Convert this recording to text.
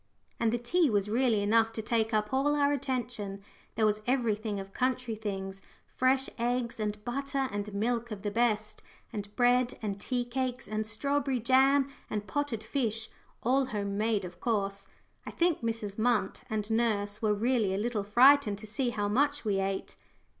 And the tea was really enough to take up all our attention. There was everything of country things fresh eggs, and butter and milk of the best, and bread, and tea cakes, and strawberry jam, and potted fish all "home made," of course. I think Mrs. Munt and nurse were really a little frightened to see how much we ate.